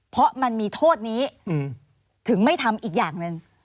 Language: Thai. เพราะมันมีโทษนี้ถึงไม่ทำอีกอย่างหนึ่ง